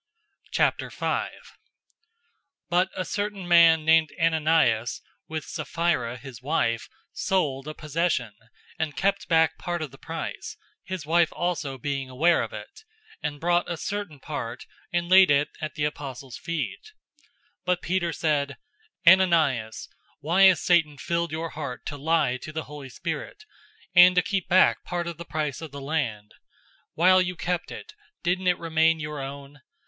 005:001 But a certain man named Ananias, with Sapphira, his wife, sold a possession, 005:002 and kept back part of the price, his wife also being aware of it, and brought a certain part, and laid it at the apostles' feet. 005:003 But Peter said, "Ananias, why has Satan filled your heart to lie to the Holy Spirit, and to keep back part of the price of the land? 005:004 While you kept it, didn't it remain your own?